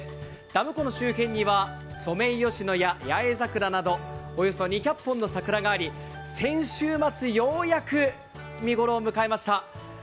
ダム湖の周辺にはソメイヨシノや八重桜などおよそ２００本の桜があり先週末、ようやく見頃を迎えました。